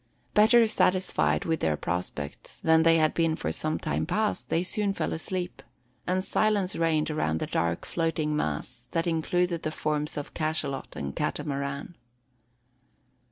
Better satisfied with their prospects than they had been for some time past, they soon fell asleep; and silence reigned around the dark floating mass that included the forms of cachalot and Catamaran.